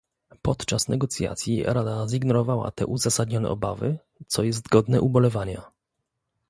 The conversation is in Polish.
Podczas negocjacji Rada zignorowała te uzasadnione obawy, co jest godne ubolewania